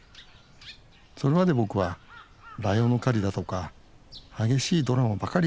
それまで僕はライオンの狩りだとか激しいドラマばかり求めていた。